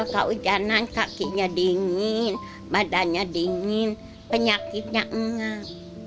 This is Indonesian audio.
kalau hujanan kakinya dingin badannya dingin penyakitnya